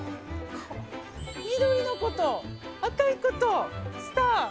緑の子と赤い子と、スター。